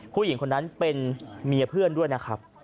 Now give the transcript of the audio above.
ผู้หญิงคนนั้นเป็นเมียเพื่อนด้วยนะครับ